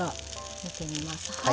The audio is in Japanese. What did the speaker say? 見てみます。